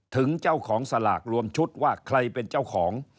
ถึงเจ้าของสลากรวมชุดว่าใครเป็นเจ้าของ